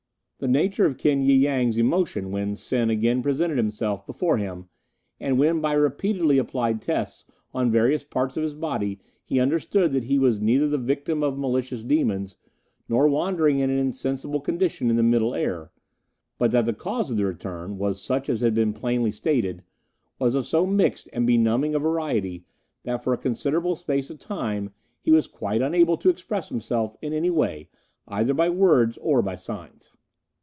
"The nature of King y Yang's emotion when Sen again presented himself before him and when by repeatedly applied tests on various parts of his body he understood that he was neither the victim of malicious demons, nor wandering in an insensible condition in the Middle Air, but that the cause of the return was such as had been plainly stated was of so mixed and benumbing a variety, that for a considerable space of time he was quite unable to express himself in any way, either by words or by signs.